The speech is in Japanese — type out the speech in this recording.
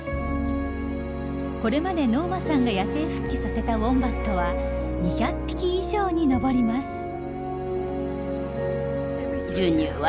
これまでノーマさんが野生復帰させたウォンバットは２００匹以上にのぼります。